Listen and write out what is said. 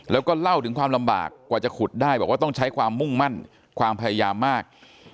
แล้วก็เล่าถึงความลำบากกว่าจะขุดได้บอกว่าต้องใช้ความมุ่งมั่นความพยายามมาก